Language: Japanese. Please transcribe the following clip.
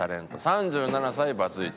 ３７歳バツイチ。